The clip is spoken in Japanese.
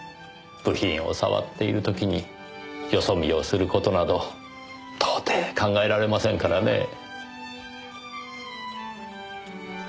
部品を触っている時によそ見をする事など到底考えられませんからねえ。